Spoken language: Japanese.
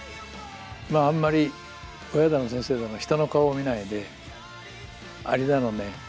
まああんまり親だの先生だの人の顔を見ないでアリだのね